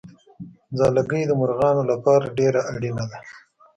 ځالګۍ د مرغانو لپاره ډېره اړینه ده.